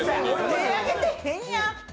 手挙げてへんやん！